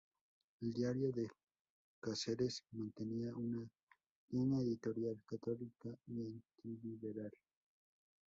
El "Diario de Cáceres" mantenía una línea editorial católica y antiliberal.